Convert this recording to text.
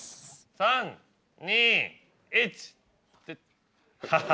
３・２・１。